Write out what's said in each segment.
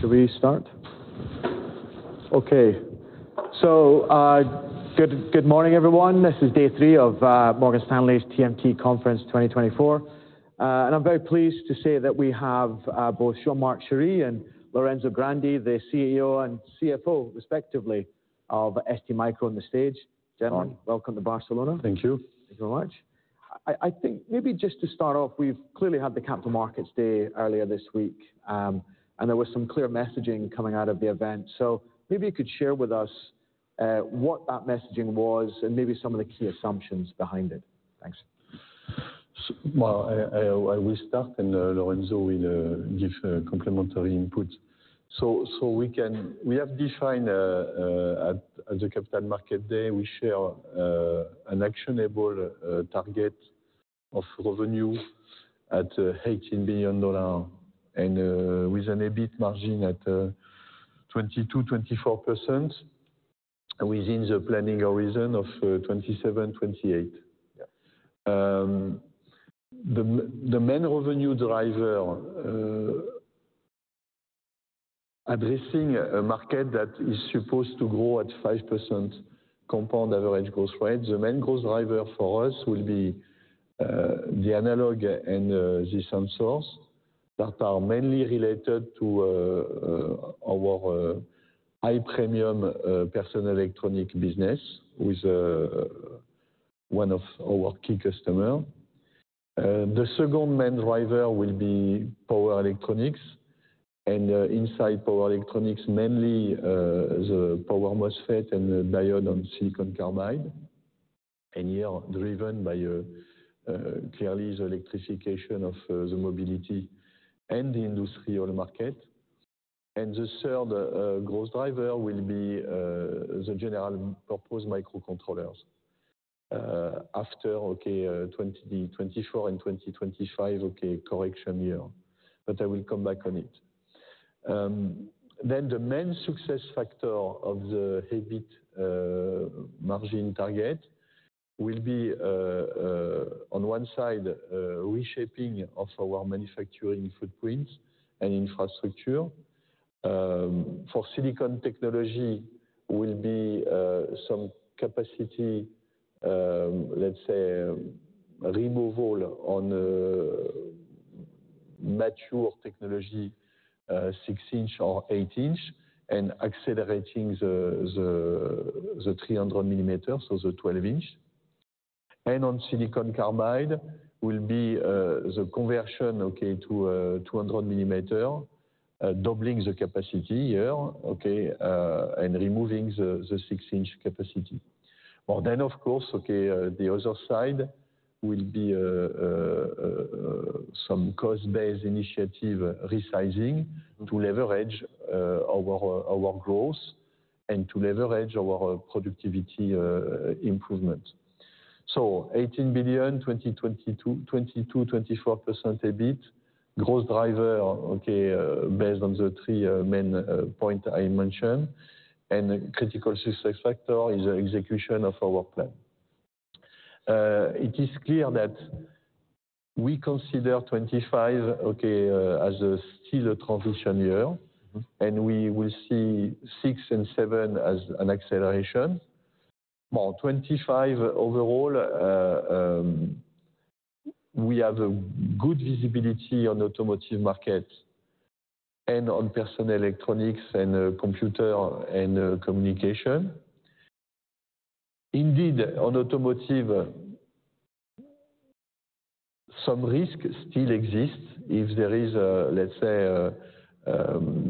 Shall we start? Okay, so good morning, everyone. This is day three of Morgan Stanley's TMT Conference 2024. And I'm very pleased to say that we have both Jean-Marc Chery and Lorenzo Grandi, the CEO and CFO, respectively, of STMicro on the stage. Good morning. Welcome to Barcelona. Thank you. Thank you very much. I think maybe just to start off, we've clearly had the Capital Markets Day earlier this week, and there was some clear messaging coming out of the event. So maybe you could share with us what that messaging was and maybe some of the key assumptions behind it. Thanks. I will start, and Lorenzo will give complementary input. We have defined at the Capital Markets Day. We share an actionable target of revenue at $18 billion and with an EBIT margin at 22%-24% within the planning horizon of 2027-2028. The main revenue driver, addressing a market that is supposed to grow at 5% compound average growth rate, the main growth driver for us will be the analog and the sensors that are mainly related to our high premium personal electronic business with one of our key customers. The second main driver will be power electronics. Inside power electronics, mainly the power MOSFET and the diode on silicon carbide, and here driven by clearly the electrification of the mobility and the industrial market. The third growth driver will be the general purpose microcontrollers after 2024 and 2025 correction year, but I will come back on it. The main success factor of the EBIT margin target will be, on one side, reshaping of our manufacturing footprint and infrastructure. For silicon technology, will be some capacity, let's say, removal on mature technology, 6-inch or 8-inch, and accelerating the 300 mm or the 12-inch. On silicon carbide, will be the conversion to 200 mm, doubling the capacity here, and removing the 6-inch capacity. Of course, the other side will be some cost-based initiative resizing to leverage our growth and to leverage our productivity improvement. 18 billion, 22%, 24% EBIT, growth driver based on the three main points I mentioned, and critical success factor is the execution of our plan. It is clear that we consider 2025 as still a transition year, and we will see [six] and [seven] as an acceleration. 2025 overall, we have good visibility on the automotive market and on personal electronics and computer and communication. Indeed, on automotive, some risk still exists if there is, let's say,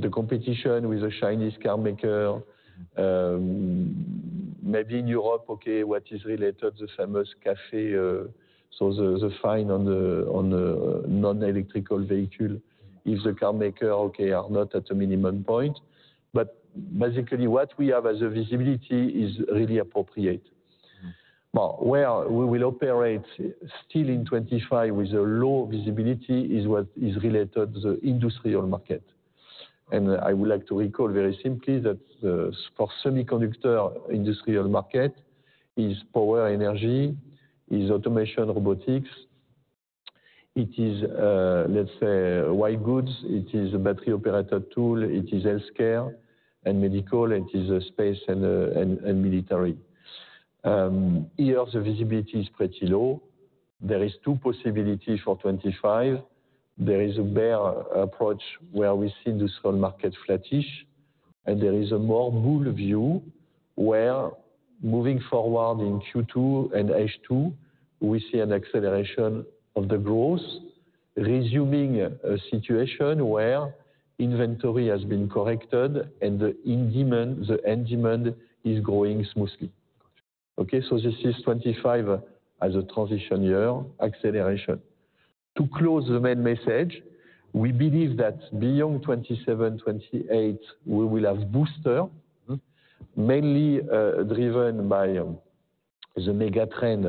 the competition with the Chinese car maker. Maybe in Europe, what is related, the famous CAFE, so the fine on non-electrical vehicles, if the car makers are not at a minimum point. Basically, what we have as a visibility is really appropriate. Where we will operate still in 2025 with a low visibility is what is related to the industrial market. I would like to recall very simply that for semiconductor, the industrial market is power energy, is automation, robotics. It is, let's say, white goods. It is a battery-operated tool. It is healthcare and medical. It is space and military. Here, the visibility is pretty low. There are two possibilities for 2025. There is a bear approach where we see the semi market flattish, and there is a more bull view where moving forward in Q2 and H2, we see an acceleration of the growth, resuming a situation where inventory has been corrected and the end demand is growing smoothly, so this is 2025 as a transition year, acceleration. To close the main message, we believe that beyond 2027-2028, we will have a booster, mainly driven by the megatrend,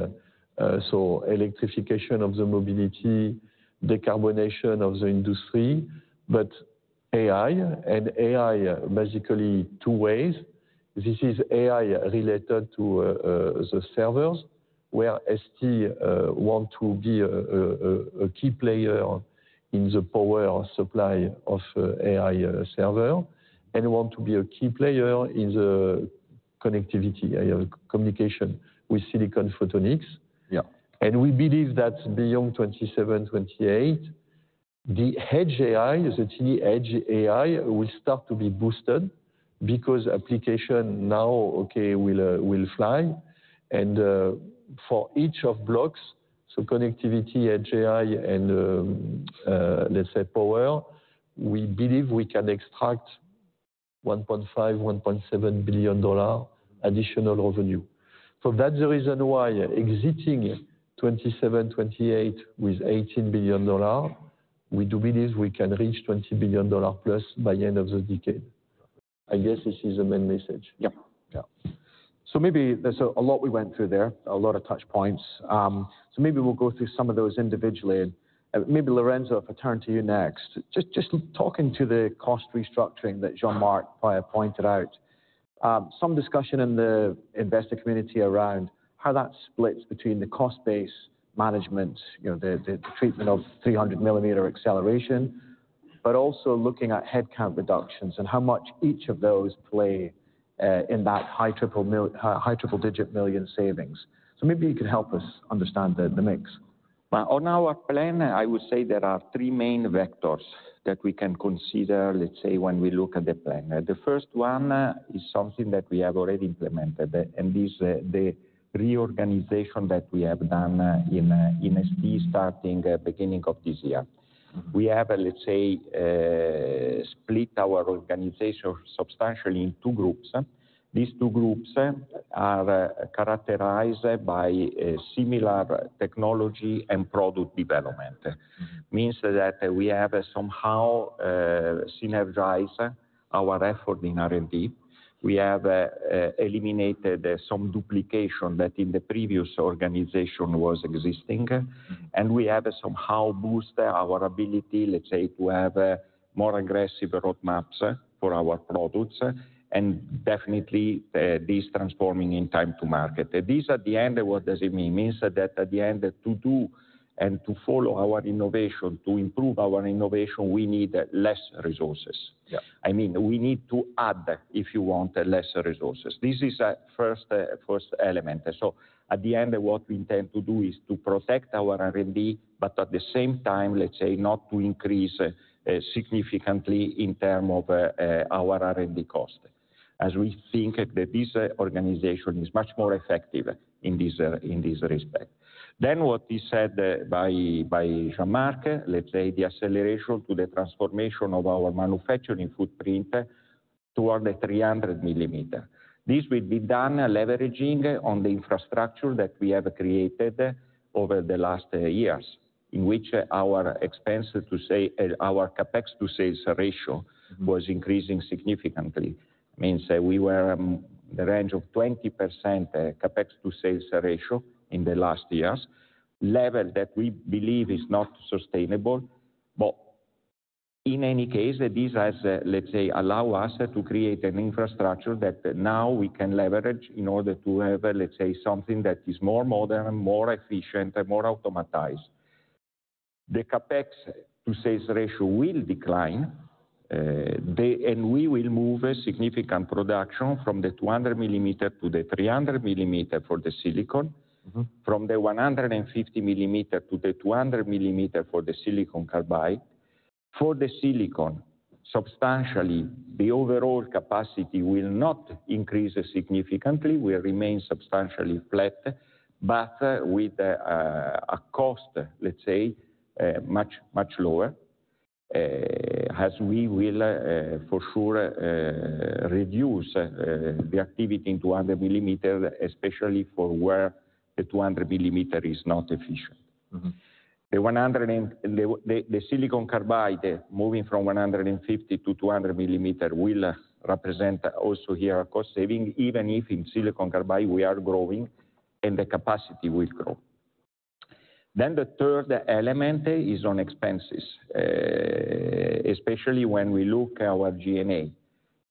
so electrification of the mobility, decarbonation of the industry, but AI, and AI, basically two ways. This is AI related to the servers, where ST wants to be a key player in the power supply of AI servers and wants to be a key player in the connectivity, communication with silicon photonics. We believe that beyond 2027-2028, the Edge AI, [ST] Edge AI, will start to be boosted because application now will fly. For each of blocks, so connectivity, Edge AI, and let's say power, we believe we can extract $1.5 billion-$1.7 billion additional revenue. That's the reason why exiting 2027-2028 with $18 billion. We do believe we can reach $20 billion plus by the end of the decade. I guess this is the main message. Yeah. So maybe there's a lot we went through there, a lot of touch points. So maybe we'll go through some of those individually. Maybe Lorenzo, if I turn to you next, just talking to the cost restructuring that Jean-Marc pointed out, some discussion in the investor community around how that splits between the cost-based management, the treatment of 300-mm acceleration, but also looking at headcount reductions and how much each of those play in that high triple-digit million savings. So maybe you could help us understand the mix. On our plan, I would say there are three main vectors that we can consider, let's say, when we look at the plan. The first one is something that we have already implemented, and this is the reorganization that we have done in ST starting at the beginning of this year. We have, let's say, split our organization substantially in two groups. These two groups are characterized by similar technology and product development. It means that we have somehow synergized our effort in R&D. We have eliminated some duplication that in the previous organization was existing, and we have somehow boosted our ability, let's say, to have more aggressive roadmaps for our products. And definitely, this transforming in time to market. This, at the end, what does it mean? It means that at the end, to do and to follow our innovation, to improve our innovation, we need less resources. I mean, we need to add, if you want, less resources. This is the first element. So at the end, what we intend to do is to protect our R&D, but at the same time, let's say, not to increase significantly in terms of our R&D cost, as we think that this organization is much more effective in this respect. Then what is said by Jean-Marc, let's say, the acceleration to the transformation of our manufacturing footprint toward the 300 mm. This will be done leveraging on the infrastructure that we have created over the last years, in which our expense, to say, our CapEx-to-sales ratio was increasing significantly. It means we were in the range of 20% CapEx-to-sales ratio in the last years, level that we believe is not sustainable. But in any case, this has, let's say, allowed us to create an infrastructure that now we can leverage in order to have, let's say, something that is more modern, more efficient, and more automated. The CapEx-to-sales ratio will decline, and we will move significant production from the 200 mm to the 300 mm for the silicon, from the 150 millimeter to the 200 millimeter for the silicon carbide. For the silicon, substantially, the overall capacity will not increase significantly. We remain substantially flat, but with a cost, let's say, much lower, as we will for sure reduce the activity in 200 mm, especially for where the 200 mm is not efficient. The silicon carbide, moving from 150 mm-200 mm, will represent also here a cost saving, even if in silicon carbide we are growing and the capacity will grow. Then the third element is on expenses, especially when we look at our G&A.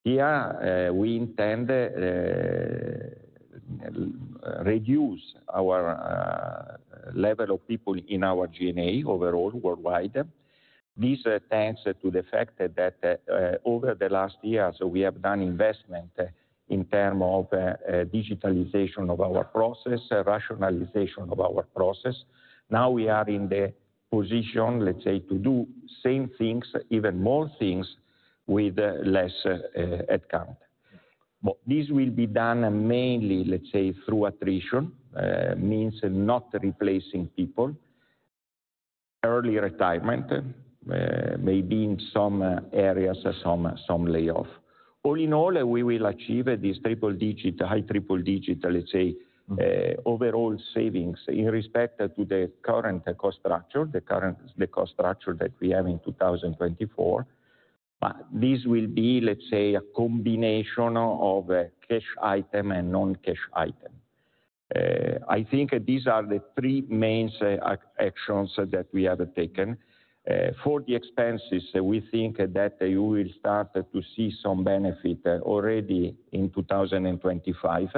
Here, we intend to reduce our level of people in our G&A overall worldwide. This is thanks to the fact that over the last years, we have done investment in terms of digitalization of our process, rationalization of our process. Now we are in the position, let's say, to do same things, even more things with less headcount. But this will be done mainly, let's say, through attrition. It means not replacing people, early retirement, maybe in some areas, some layoff. All in all, we will achieve this triple-digit, high triple-digit, let's say, overall savings in respect to the current cost structure, the current cost structure that we have in 2024. But this will be, let's say, a combination of cash item and non-cash item. I think these are the three main actions that we have taken. For the expenses, we think that you will start to see some benefit already in 2025.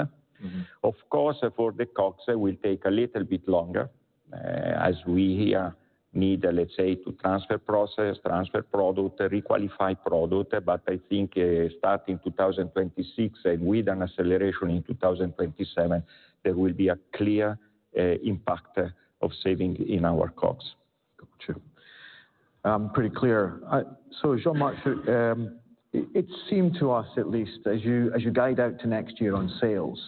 Of course, for the COGS, it will take a little bit longer, as we here need, let's say, to transfer process, transfer product, requalify product. But I think starting 2026 and with an acceleration in 2027, there will be a clear impact of saving in our COGS. Gotcha. Pretty clear. So Jean-Marc, it seemed to us, at least as you guide out to next year on sales,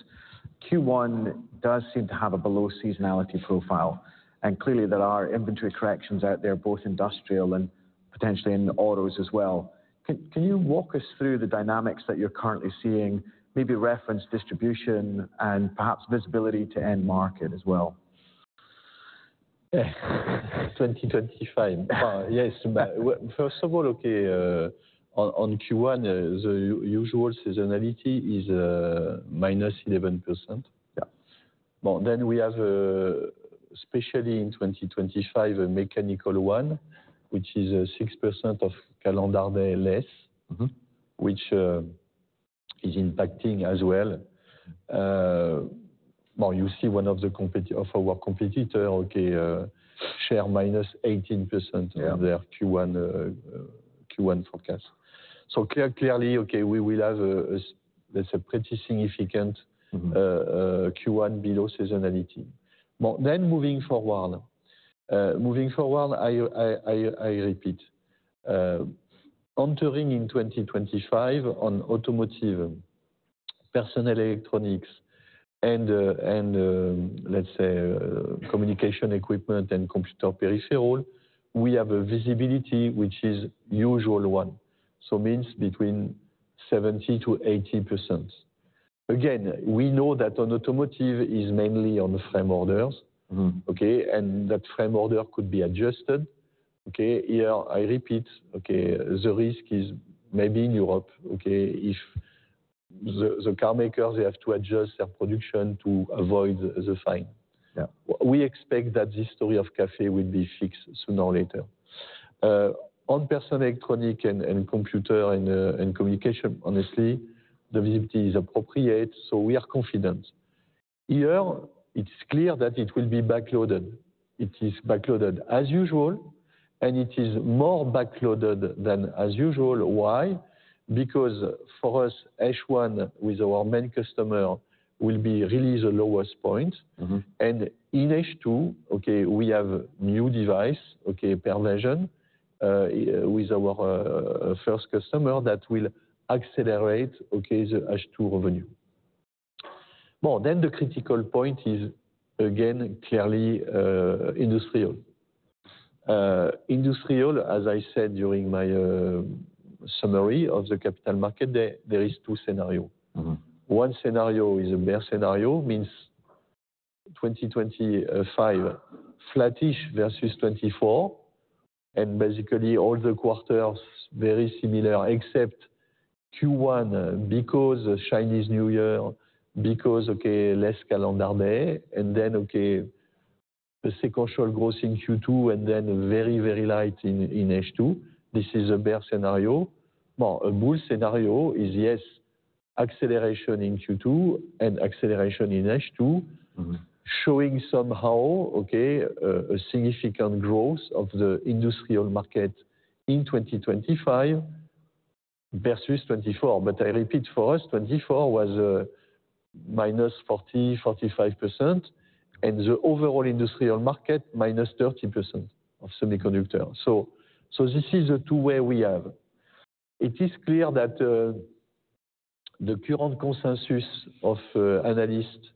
Q1 does seem to have a below seasonality profile. And clearly, there are inventory corrections out there, both industrial and potentially in autos as well. Can you walk us through the dynamics that you're currently seeing, maybe reference distribution and perhaps visibility to end market as well? 2025. Yes. First of all, on Q1, the usual seasonality is -11%. Then we have, especially in 2025, a mechanical one, which is 6% of calendar day less, which is impacting as well. You see one of our competitors share -18% of their Q1 forecast. So clearly, we will have a pretty significant Q1 below seasonality. Then moving forward, moving forward, I repeat, entering in 2025 on automotive, personal electronics, and let's say communication equipment and computer peripheral, we have a visibility, which is usual one. So it means between 70%- 80%. Again, we know that on automotive is mainly on frame orders, and that frame order could be adjusted. Here, I repeat, the risk is maybe in Europe. If the car makers, they have to adjust their production to avoid the fine. We expect that the story of [CAFE] will be fixed sooner or later. On personal electronics and computers and communications, honestly, the visibility is appropriate, so we are confident. Here, it's clear that it will be backloaded. It is backloaded as usual, and it is more backloaded than as usual. Why? Because for us, H1 with our main customer will be released at the lowest point. And in H2, we have a new device [per] version with our first customer that will accelerate the H2 revenue. Then the critical point is, again, clearly industrial. Industrial, as I said during my summary of the Capital Markets Day, there are two scenarios. One scenario is a bear scenario, means 2025 flattish versus 2024, and basically all the quarters very similar, except Q1 because Chinese New Year, because less calendar day, and then sequential growth in Q2, and then very, very light in H2. This is a bear scenario. A bull scenario is, yes, acceleration in Q2 and acceleration in H2, showing somehow a significant growth of the industrial market in 2025 versus 2024. But I repeat, for us, 2024 was -40%, -45%, and the overall industrial market -30% of semiconductors. So this is the two ways we have. It is clear that the current consensus of analysts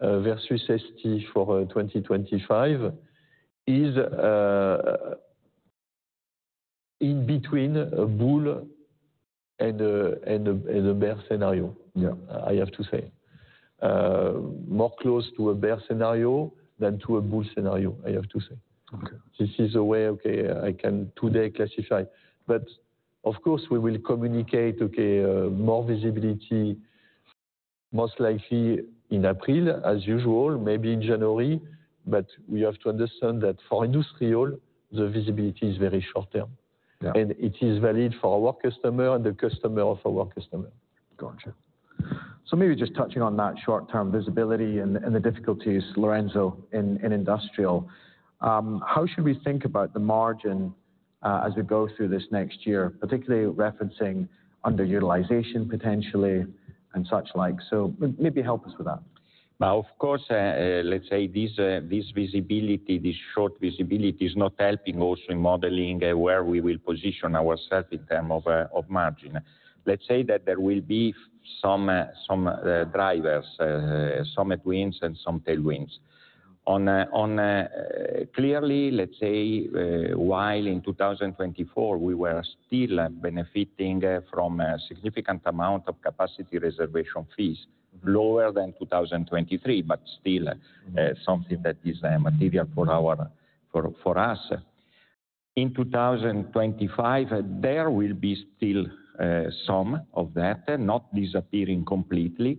versus ST for 2025 is in between a bull and a bear scenario, I have to say. More close to a bear scenario than to a bull scenario, I have to say. This is the way I can today classify. But of course, we will communicate more visibility, most likely in April, as usual, maybe in January. But we have to understand that for industrial, the visibility is very short term. And it is valid for our customer and the customer of our customer. Gotcha. So maybe just touching on that short-term visibility and the difficulties, Lorenzo, in industrial, how should we think about the margin as we go through this next year, particularly referencing underutilization potentially and such like? So maybe help us with that. Of course, let's say this visibility, this short visibility is not helping also in modeling where we will position ourselves in terms of margin. Let's say that there will be some drivers, some headwinds and some tailwinds. Clearly, let's say while in 2024, we were still benefiting from a significant amount of capacity reservation fees, lower than 2023, but still something that is material for us. In 2025, there will be still some of that, not disappearing completely,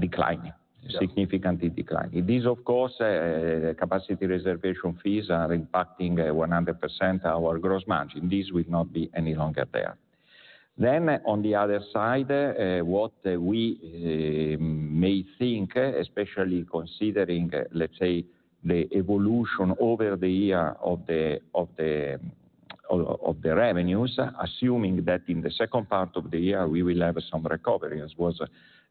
declining, significantly declining. This, of course, capacity reservation fees are impacting 100% of our gross margin. This will not be any longer there. Then, on the other side, what we may think, especially considering, let's say, the evolution over the year of the revenues, assuming that in the second part of the year, we will have some recovery, as was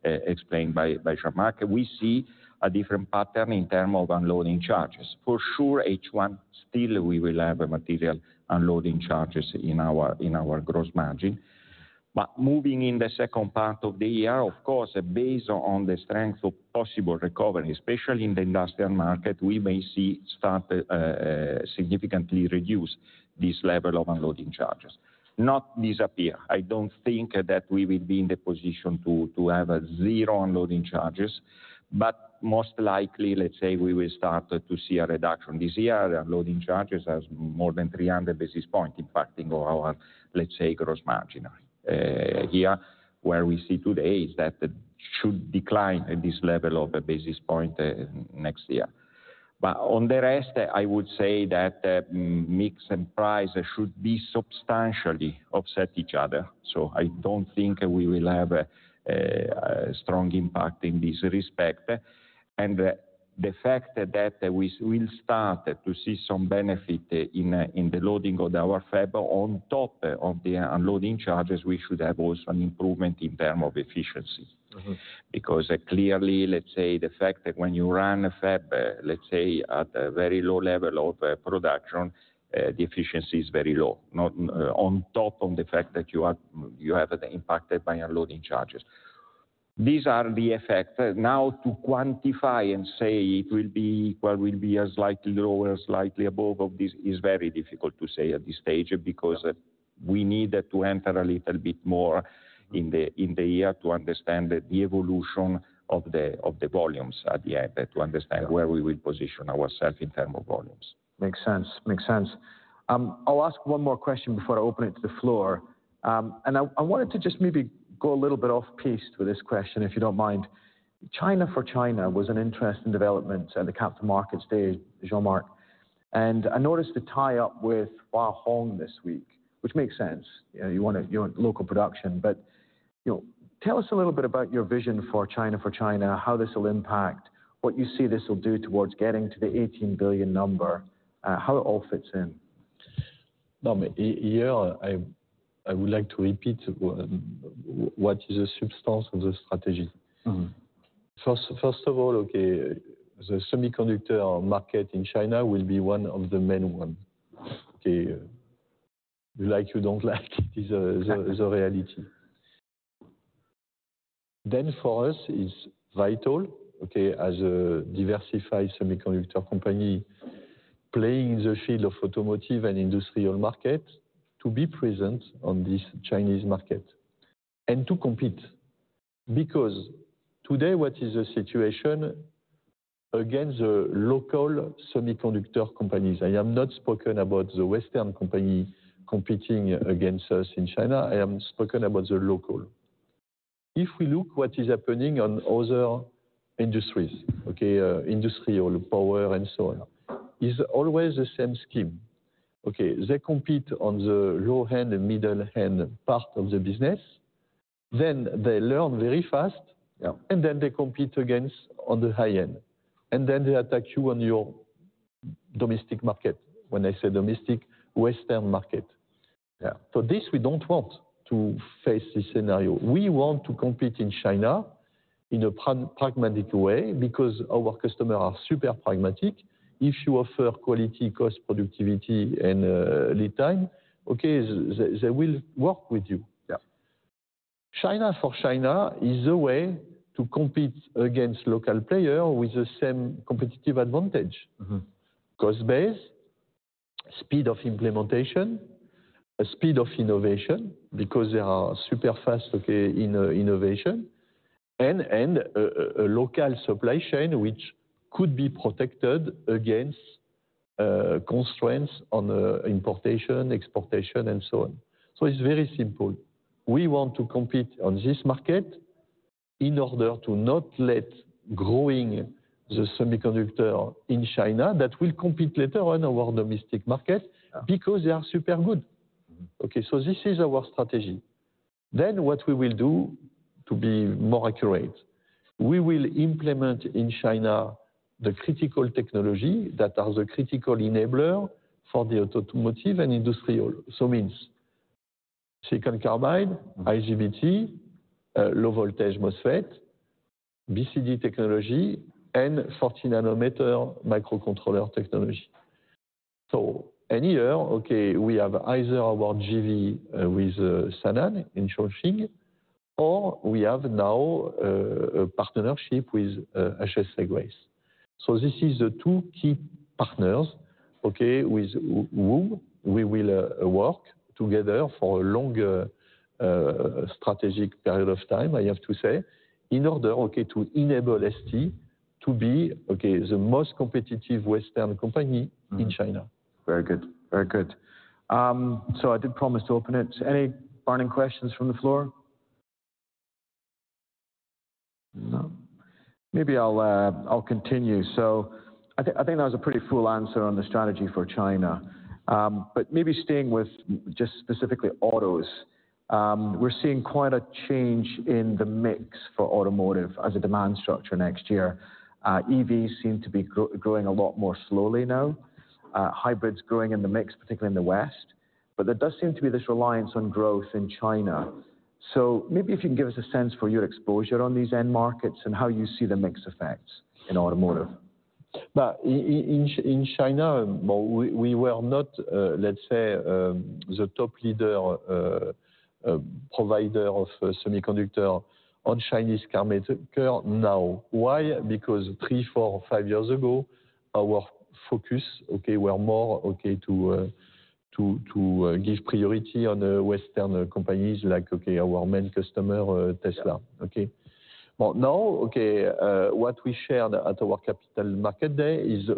explained by Jean-Marc, we see a different pattern in terms of unloading charges. For sure, H1, still we will have material unloading charges in our gross margin. But moving in the second part of the year, of course, based on the strength of possible recovery, especially in the industrial market, we may see start significantly reduce this level of unloading charges. Not disappear. I don't think that we will be in the position to have zero unloading charges, but most likely, let's say, we will start to see a reduction. This year, unloading charges are more than 300 basis points impacting our, let's say, gross margin. Here, where we see today is that it should decline at this level of a basis point next year. But on the rest, I would say that mix and price should be substantially offset each other. So I don't think we will have a strong impact in this respect. And the fact that we will start to see some benefit in the loading of our fab on top of the underloading charges, we should have also an improvement in terms of efficiency. Because clearly, let's say, the fact that when you run a fab, let's say, at a very low level of production, the efficiency is very low, not on top of the fact that you have impacted by underloading charges. These are the effects. Now, to quantify and say it will be equal, will be a slightly lower, slightly above of this, is very difficult to say at this stage because we need to enter a little bit more in the year to understand the evolution of the volumes at the end, to understand where we will position ourselves in terms of volumes. Makes sense. Makes sense. I'll ask one more question before I open it to the floor. And I wanted to just maybe go a little bit off-piste with this question, if you don't mind. China-for-China was an interesting development at the Capital Markets Day, Jean-Marc, and I noticed a tie-up with Hua Hong this week, which makes sense. You want local production. But tell us a little bit about your vision for China-for-China, how this will impact, what you see this will do towards getting to the $18 billion number, how it all fits in. Here, I would like to repeat what is the substance of the strategy. First of all, the semiconductor market in China will be one of the main ones. You like it, you don't like it, it is the reality. Then for us, it's vital as a diversified semiconductor company playing in the field of automotive and industrial market to be present on this Chinese market and to compete. Because today, what is the situation against the local semiconductor companies? I have not spoken about the Western company competing against us in China. I have spoken about the local. If we look at what is happening on other industries, industrial power and so on, it's always the same scheme. They compete on the low-end and middle-end part of the business. Then they learn very fast, and then they compete against on the high-end. And then they attack you on your domestic market. When I say domestic, Western market. So this, we don't want to face this scenario. We want to compete in China in a pragmatic way because our customers are super pragmatic. If you offer quality, cost, productivity, and lead time, they will work with you. China-for-China is a way to compete against local players with the same competitive advantage: cost base, speed of implementation, speed of innovation, because they are super fast in innovation, and a local supply chain which could be protected against constraints on importation, exportation, and so on. So it's very simple. We want to compete on this market in order to not let growing the semiconductor in China that will compete later on our domestic market because they are super good. So this is our strategy. Then what we will do to be more accurate, we will implement in China the critical technology that are the critical enabler for the automotive and industrial. So it means silicon carbide, IGBT, low-voltage MOSFET, BCD technology, and 40-nm microcontroller technology. So in any year, we have either our JV with Sanan in Chongqing, or we have now a partnership with [Hua Hong Semiconductor]. So this is the two key partners with whom we will work together for a long strategic period of time, I have to say, in order to enable ST to be the most competitive Western company in China. Very good. Very good. So I did promise to open it. Any burning questions from the floor? No. Maybe I'll continue. So I think that was a pretty full answer on the strategy for China. But maybe staying with just specifically autos, we're seeing quite a change in the mix for automotive as a demand structure next year. EVs seem to be growing a lot more slowly now, hybrids growing in the mix, particularly in the West. But there does seem to be this reliance on growth in China. So maybe if you can give us a sense for your exposure on these end markets and how you see the mix effects in automotive? In China, we were not, let's say, the top leader provider of semiconductor to Chinese car makers now. Why? Because three, four, five years ago, our focus were more to give priority on Western companies like our main customer, Tesla. Now, what we shared at our Capital Markets Day is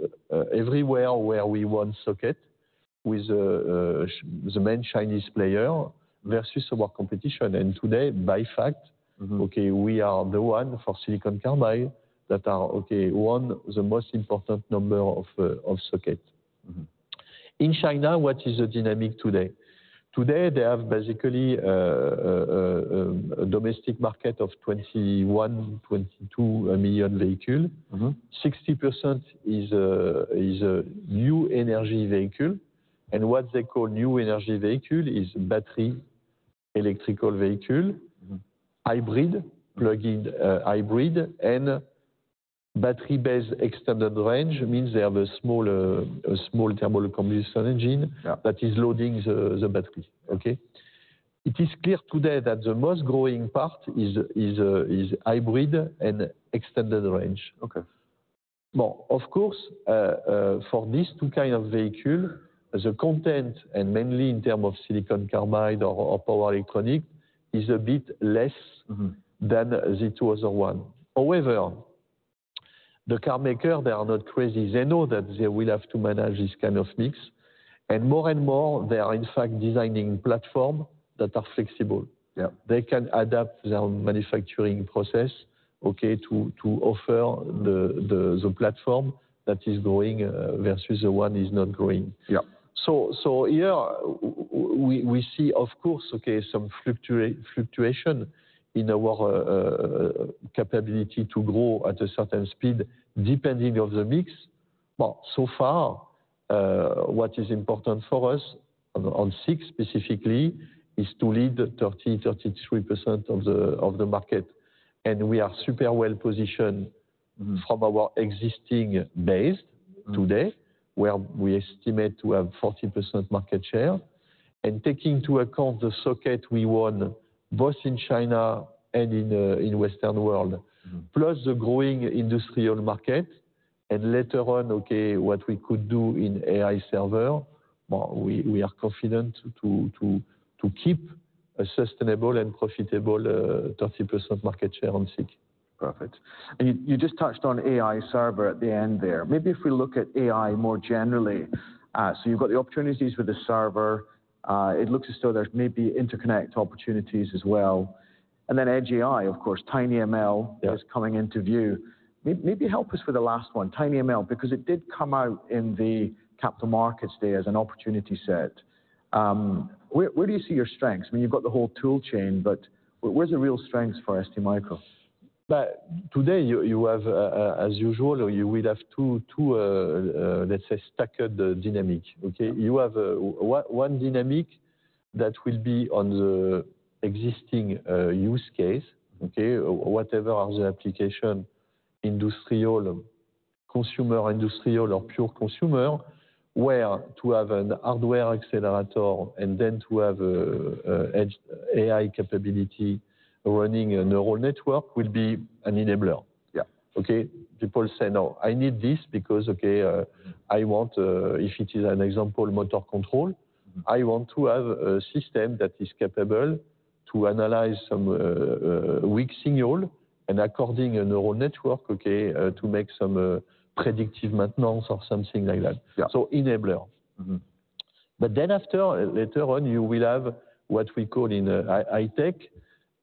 everywhere where we want socket with the main Chinese player versus our competition. And today, by fact, we are the one for silicon carbide that are one of the most important number of socket. In China, what is the dynamic today? Today, they have basically a domestic market of 21, 22 million vehicles. 60% is a new energy vehicle. And what they call new energy vehicle is battery electric vehicle, plug-in hybrid, and battery-based extended range means they have a small turbo combustion engine that is loading the battery. It is clear today that the most growing part is hybrid and extended range. Of course, for these two kinds of vehicles, the content, and mainly in terms of silicon carbide or power electronics, is a bit less than the two other ones. However, the car makers, they are not crazy. They know that they will have to manage this kind of mix. And more and more, they are in fact designing platforms that are flexible. They can adapt their manufacturing process to offer the platform that is growing versus the one that is not growing. So here, we see, of course, some fluctuation in our capability to grow at a certain speed depending on the mix. So far, what is important for us on SiC specifically is to lead 30%, 33% of the market. We are super well positioned from our existing base today, where we estimate to have 40% market share. Taking into account the socket we won, both in China and in the Western world, plus the growing industrial market, and later on what we could do in AI server, we are confident to keep a sustainable and profitable 30% market share on SiC. Perfect. You just touched on AI server at the end there. Maybe if we look at AI more generally. So you've got the opportunities with the server. It looks as though there's maybe interconnect opportunities as well. And then Edge AI, of course, TinyML is coming into view. Maybe help us with the last one, TinyML, because it did come out in the Capital Markets Day as an opportunity set. Where do you see your strengths? I mean, you've got the whole tool chain, but where's the real strength for STMicro? Today, you have, as usual, you will have two, let's say, staggered dynamics. You have one dynamic that will be on the existing use case, whatever are the application industrial, consumer industrial, or pure consumer, where to have an hardware accelerator and then to have Edge AI capability running a neural network will be an enabler. People say, no, I need this because I want, if it is an example, motor control, I want to have a system that is capable to analyze some weak signal and according a neural network to make some predictive maintenance or something like that. So enabler. But then after, later on, you will have what we call in high-tech,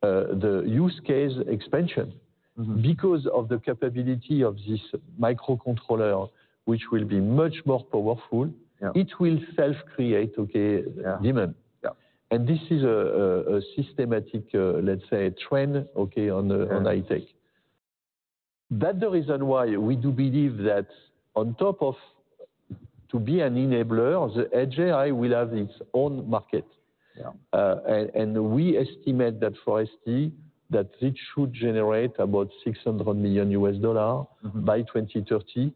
the use case expansion. Because of the capability of this microcontroller, which will be much more powerful, it will self-create demand. And this is a systematic, let's say, trend on high-tech. That's the reason why we do believe that on top of to be an enabler, the Edge AI will have its own market. We estimate that for ST that it should generate about $600 million by 2030,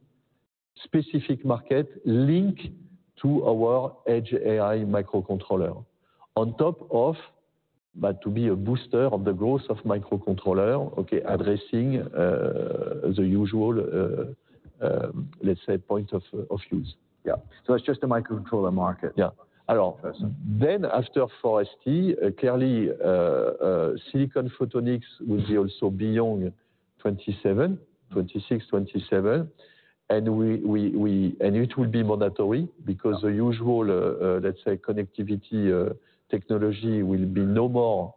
specific market link to our Edge AI microcontroller. On top of, but to be a booster of the growth of microcontroller, addressing the usual, let's say, point of use. Yeah. So it's just the microcontroller market? Yeah. Then after for ST, clearly, silicon photonics will be also beyond 2027, 2026, 2027. And it will be mandatory because the usual, let's say, connectivity technology will be no more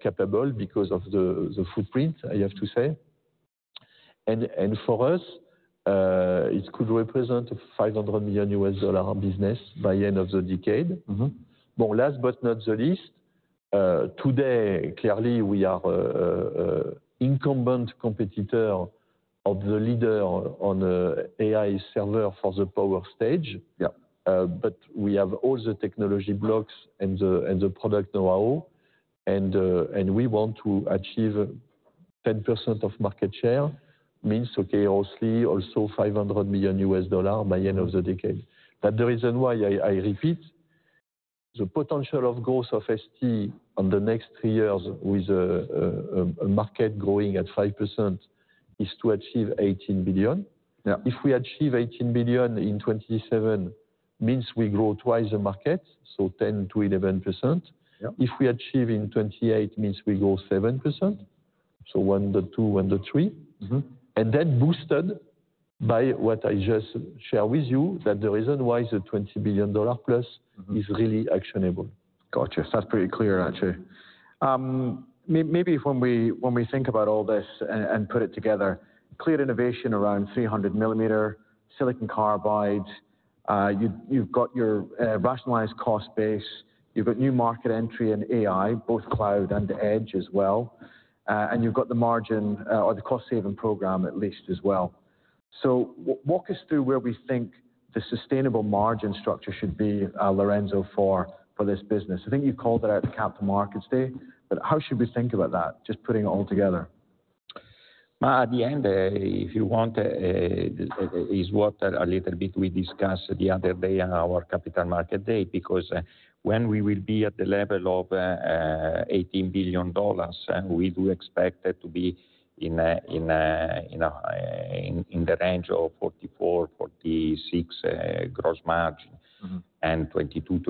capable because of the footprint, I have to say. And for us, it could represent a $500 million business by the end of the decade. Last but not the least, today, clearly, we are an incumbent competitor of the leader on AI server for the power stage. But we have all the technology blocks and the product know-how. And we want to achieve 10% of market share, means roughly also $500 million by the end of the decade. But the reason why I repeat, the potential of growth of ST on the next three years with a market growing at 5% is to achieve $18 billion. If we achieve $18 billion in 2027, means we grow twice the market, so 10%-11%. If we achieve in 2028, means we grow 7%, so 1.2, 1.3. And then boosted by what I just shared with you, that the reason why the $20 billion plus is really actionable. Gotcha. Sounds pretty clear, actually. Maybe when we think about all this and put it together, clear innovation around 300-mm silicon carbide, you've got your rationalized cost base, you've got new market entry in AI, both cloud and Edge as well. And you've got the margin or the cost-saving program at least as well. So walk us through where we think the sustainable margin structure should be, Lorenzo, for this business. I think you called it out at the Capital Markets Day. But how should we think about that, just putting it all together? At the end, if you want, is what a little bit we discussed the other day on our Capital Markets Day, because when we will be at the level of $18 billion, we do expect it to be in the range of [44%, 46%] gross margin and [22%,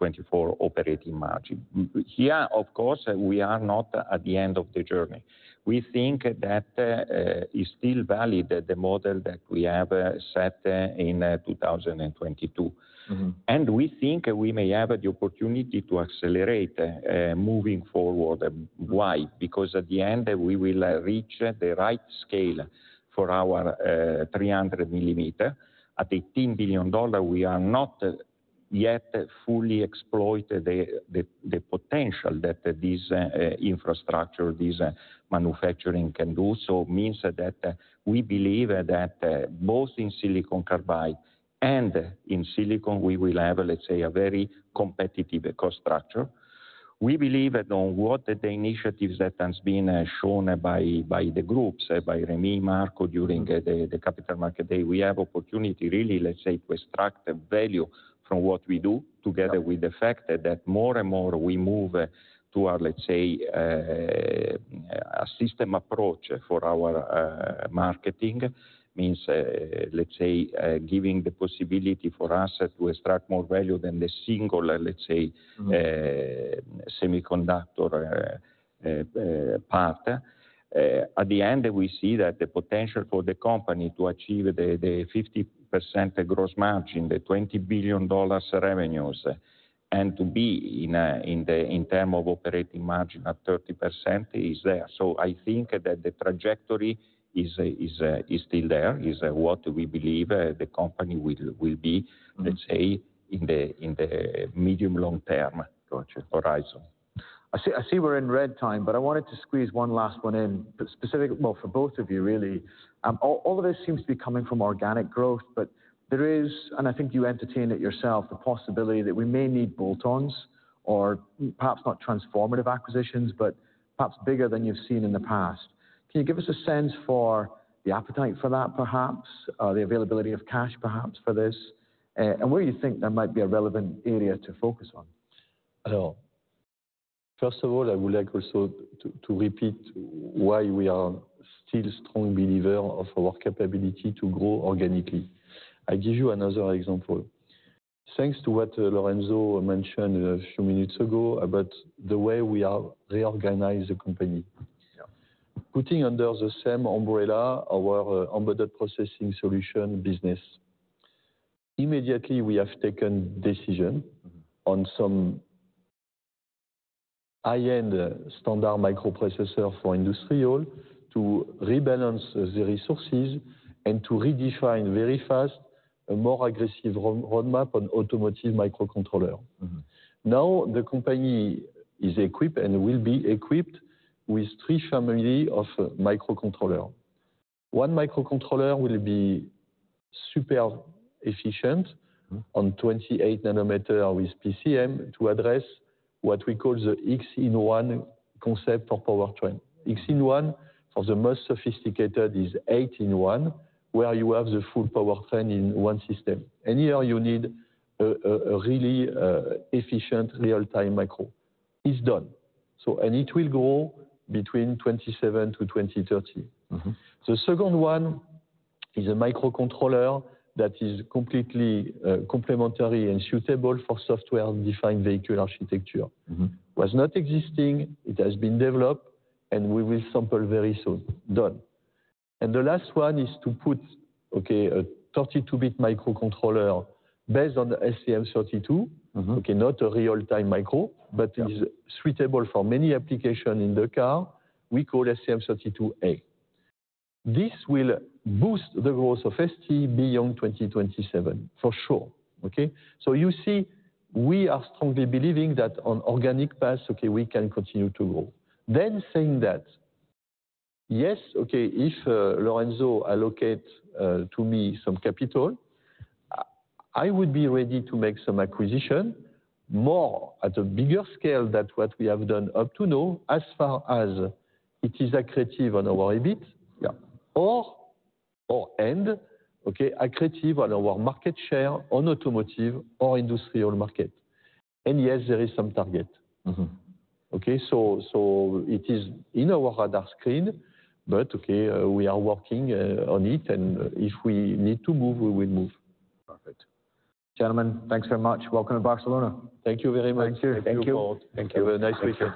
24%] operating margin. Here, of course, we are not at the end of the journey. We think that it's still valid that the model that we have set in 2022, and we think we may have the opportunity to accelerate moving forward. Why? Because at the end, we will reach the right scale for our 300 mm. At $18 billion, we are not yet fully exploited the potential that this infrastructure, this manufacturing can do. So it means that we believe that both in silicon carbide and in silicon, we will have, let's say, a very competitive cost structure. We believe that on what the initiatives that have been shown by the groups, by Remi, Marco, during the Capital Markets Day, we have opportunity really, let's say, to extract value from what we do together with the fact that more and more we move to our, let's say, a system approach for our marketing. It means, let's say, giving the possibility for us to extract more value than the single, let's say, semiconductor part. At the end, we see that the potential for the company to achieve the 50% gross margin, the $20 billion revenues, and to be in terms of operating margin at 30% is there. So I think that the trajectory is still there, is what we believe the company will be, let's say, in the medium-long term horizon. I see we're in red time, but I wanted to squeeze one last one in, specifically for both of you, really. All of this seems to be coming from organic growth, but there is, and I think you entertain it yourself, the possibility that we may need bolt-ons or perhaps not transformative acquisitions, but perhaps bigger than you've seen in the past. Can you give us a sense for the appetite for that, perhaps, the availability of cash, perhaps, for this? And where do you think there might be a relevant area to focus on? First of all, I would like also to repeat why we are still strong believers of our capability to grow organically. I give you another example. Thanks to what Lorenzo mentioned a few minutes ago about the way we are reorganized the company, putting under the same umbrella our embedded processing solution business. Immediately, we have taken decision on some high-end standard microprocessor for industrial to rebalance the resources and to redefine very fast a more aggressive roadmap on automotive microcontroller. Now, the company is equipped and will be equipped with three families of microcontroller. One microcontroller will be super efficient on 28 nm with PCM to address what we call the X-in-one concept for power train. X-in-one for the most sophisticated is eight-in-one, where you have the full power train in one system. And here you need a really efficient real-time micro. It's done. And it will grow between 2027 to 2030. The second one is a microcontroller that is completely complementary and suitable for software-defined vehicle architecture. It was not existing. It has been developed, and we will sample very soon. Done. And the last one is to put a 32-bit microcontroller based on STM32, not a real-time micro, but it's suitable for many applications in the car. We call STM32A. This will boost the growth of ST beyond 2027, for sure. So you see, we are strongly believing that on organic paths, we can continue to grow. Then saying that, yes, if Lorenzo allocates to me some capital, I would be ready to make some acquisition more at a bigger scale than what we have done up to now as far as it is accretive on our EBIT or and accretive on our market share on automotive or industrial market. And yes, there is some target. So it is in our radar screen, but we are working on it. And if we need to move, we will move. Perfect. Gentlemen, thanks very much. Welcome to Barcelona. Thank you very much. Thank you. Thank you. Thank you. Have a nice weekend.